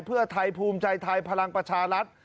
เพื่อไทยภูมิใจไทยพลังประชารัฐ